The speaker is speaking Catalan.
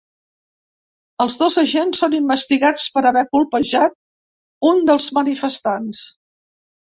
Els dos agents són investigats per haver colpejat un dels manifestants.